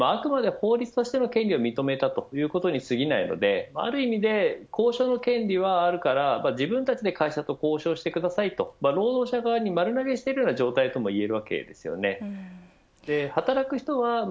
国や行政としてあくまで法律としての権利を認めたということに過ぎないのである意味で交渉の権利はあるから自分たちで会社と交渉してくださいと労働者側に丸投げしている状態ともいえます。